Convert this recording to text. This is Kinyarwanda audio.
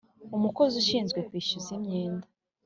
Umunkozi ushinzwe kwishyuza imyenda